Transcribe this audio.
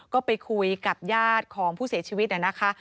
ก็ไปคุยกับญาติของผู้เสียชีวิตนะคะ